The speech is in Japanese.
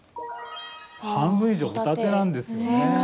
半分以上ホタテなんですよね。